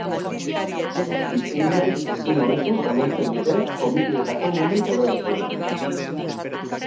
Diseinuek ezin hobeto omentzen dute komikietako mundu koloretsua.